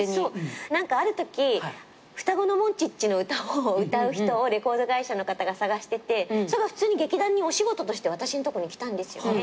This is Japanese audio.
何かあるとき『ふたごのモンチッチ』の歌を歌う人をレコード会社の方が探しててそれが劇団にお仕事として私のところにきたんですよね。